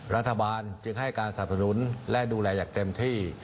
รัฐบาลจึงให้การสนับสนุนและดูแลอย่างเต็มที่